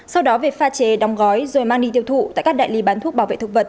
sau đó về pha chế đóng gói rồi mang đi tiêu thụ tại các đại lý bán thuốc bảo vệ thực vật